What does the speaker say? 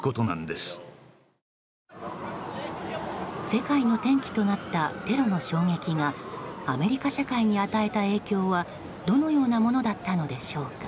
世界の転機となったテロの衝撃がアメリカ社会に与えた影響はどのようなものだったのでしょうか。